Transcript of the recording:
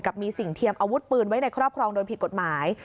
มีสิ่งเทียมอาวุธปืนไว้ในครอบครองโดยผิดกฎหมาย